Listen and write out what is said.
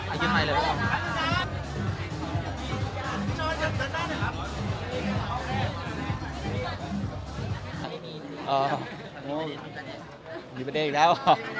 มีประเด็นอีกแล้ว